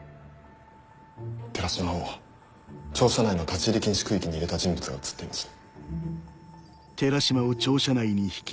寺島を庁舎内の立ち入り禁止区域に入れた人物が写っています。